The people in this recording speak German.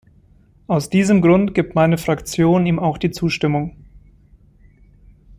Aus diesem Grund gibt meine Fraktion ihm auch die Zustimmung.